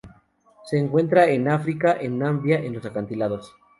Se encuentra en África en Namibia en los acantilados.